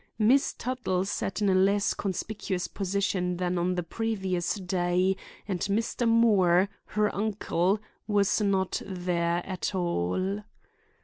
Miss Tuttle sat in a less conspicuous position than on the previous day, and Mr. Moore, her uncle, was not there at all.